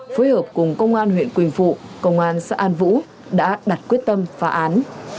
phối hợp cùng công an huyện quỳnh phụ công an xã an vũ đã đặt quyết tâm phá án